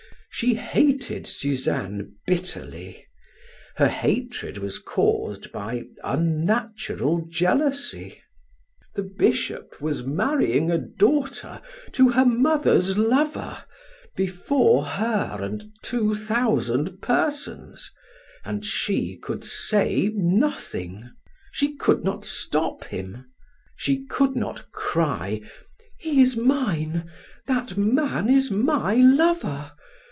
She hated Suzanne bitterly; her hatred was caused by unnatural jealousy. The bishop was marrying a daughter to her mother's lover, before her and two thousand persons, and she could say nothing; she could not stop him. She could not cry: "He is mine, that man is my lover.